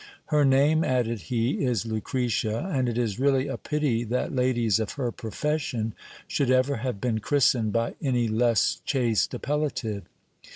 Her name, added he, is Lucretia ; and it is really a pity that ladies of her profession should ever have been christened by any less chaste appellative.